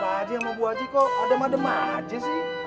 pak haji sama bu haji kok adem adem aja sih